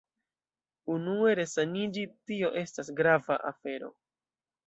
Unue resaniĝi, tio estas grava afero.